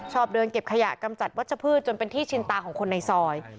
เดินเก็บขยะกำจัดวัชพืชจนเป็นที่ชินตาของคนในซอย